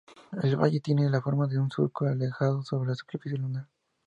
El valle tiene la forma de un surco alargado sobre la superficie lunar.